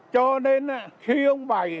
cho nên khi ông bảy